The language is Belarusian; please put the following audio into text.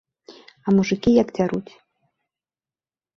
А мужыкі як дзяруць!